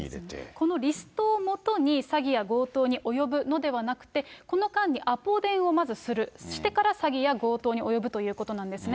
このリストをもとに詐欺や強盗に及ぶのではなくて、この間にアポ電をまずする、してから、詐欺や強盗に及ぶということなんですね。